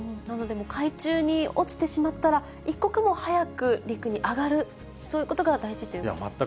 海中に落ちてしまったら、一刻も早く陸に上がる、そういうことが大事ということですね。